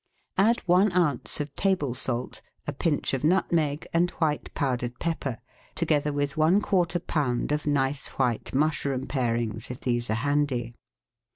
Add one oz. of table salt, a pinch of nutmeg and white powdered pepper, together with one quarter lb. of nice white mushroom parings, if these are handy.